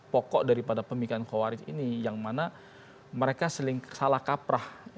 pokok daripada pemikiran khawarif ini yang mana mereka salah kaprah